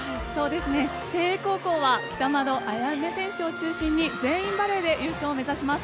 誠英高校は北窓絢音選手を中心に全員バレーで優勝を目指します。